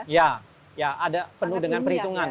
ya ya ada penuh dengan perhitungan